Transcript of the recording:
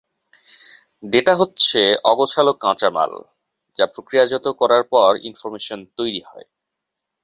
Data হচ্ছে অগোছালো কাঁচামাল, যা পক্রিয়াজাত করার পর ইনফরমেশন তৈরি হয়।